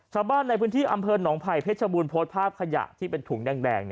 ชาวบ้านในพื้นที่อำเภอหนองไผ่เพชรบูรณโพสต์ภาพขยะที่เป็นถุงแดง